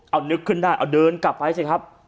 เอานึกขึ้นได้เอาเดินกลับไปสิครับ